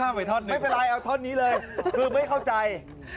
ไม่เป็นไรเอาท่อนนี้เลยคือไม่เข้าใจ